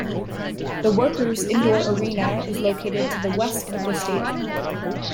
The Workers Indoor Arena is located to the west of the stadium.